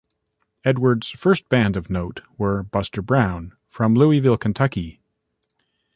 Edwards' first band of note were Buster Brown from Louisville, Kentucky.